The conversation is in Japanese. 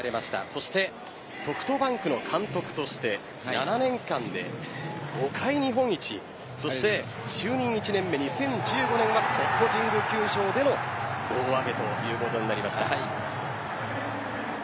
そしてソフトバンクの監督として７年間で５回日本一そして、就任１年目２０１５年はここ神宮球場での胴上げということになりました。